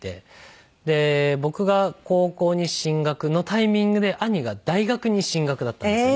僕が高校に進学のタイミングで兄が大学に進学だったんですよね。